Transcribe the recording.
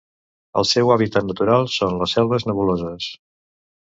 El seu hàbitat natural són les selves nebuloses.